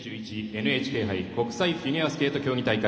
ＮＨＫ杯国際フィギュアスケート競技大会。